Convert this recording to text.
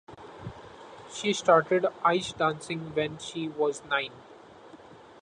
She started ice dancing when she was nine.